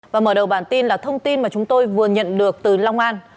và mở đầu bản tin là thông tin mà chúng tôi vừa nhận được từ long an